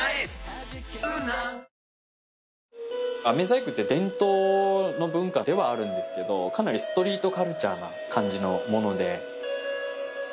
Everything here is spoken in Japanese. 飴細工って伝統の文化ではあるんですけどかなりストリートカルチャーな感じのもので。